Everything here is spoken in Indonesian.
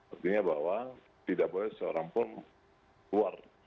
artinya bahwa tidak boleh seorang pun keluar